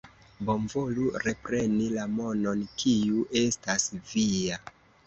Bonvolu repreni la monon, kiu estas via.